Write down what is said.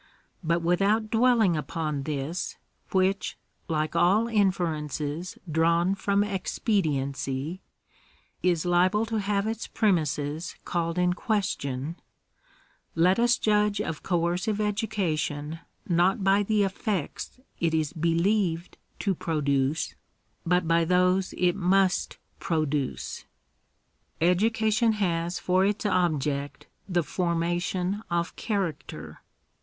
But without dwelling upon this, which, like all inferences drawn from expediency, is liable to have its premises called in question, let us judge of ooercive education not by the effects it is believed to produce, but by those it must produce, k Education has for its object the formation of character.